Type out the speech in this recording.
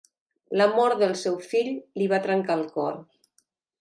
La mort del seu fill li va trencar el cor.